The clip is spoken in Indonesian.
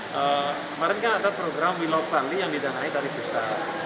kemarin kan ada program wilo bali yang didanai dari pusat